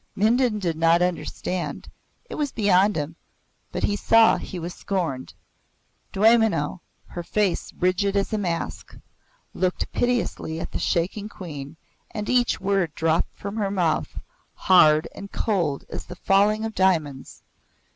Mindon did not understand. It was beyond him, but he saw he was scorned. Dwaymenau, her face rigid as a mask, looked pitilessly at the shaking Queen, and each word dropped from her mouth, hard and cold as the falling of diamonds.